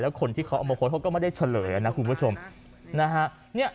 แล้วคนที่เขาอมโหดเขาก็ไม่ได้เฉลยนะคุณผู้ชมนะฮะเนี้ย